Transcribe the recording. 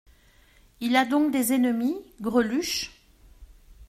Il a donc des ennemis, Greluche ?